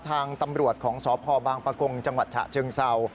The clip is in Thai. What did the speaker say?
ทางตำรวจของสพบางประกงจังหวัดฉะเชิงเศร้า